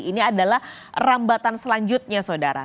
ini adalah rambatan selanjutnya saudara